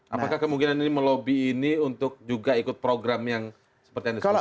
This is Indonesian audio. apakah kemungkinan ini melobi ini untuk juga ikut program yang seperti yang disampaikan